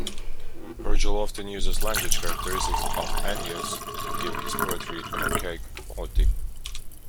Virgil often uses language characteristic of Ennius to give his poetry an archaic quality.